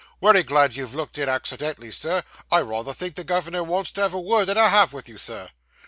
'Wery glad you've looked in accidentally, Sir. I rather think the gov'nor wants to have a word and a half with you, Sir.